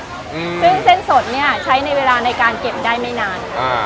อืมซึ่งเส้นสดเนี้ยใช้ในเวลาในการเก็บได้ไม่นานค่ะอ่า